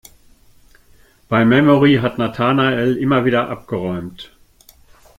Beim Memory hat Nathanael wie immer abgeräumt.